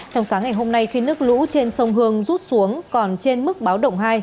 trong sáng ngày hôm nay khi nước lũ trên sông hương rút xuống còn trên mức báo động hai